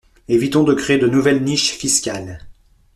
Évitons de créer de nouvelles niches fiscales.